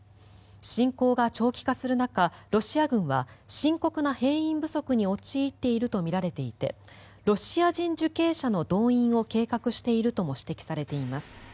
侵攻が長期化する中ロシア軍は深刻な兵員不足に陥っているとみられていてロシア人受刑者の動員を計画しているとも指摘されています。